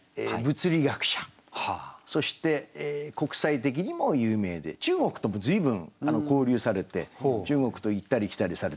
そして国際的にも有名で中国とも随分交流されて中国と行ったり来たりされてましたね。